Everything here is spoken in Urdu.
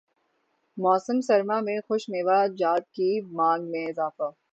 موسم سرما میں خشک میوہ جات کی مانگ میں اضافہ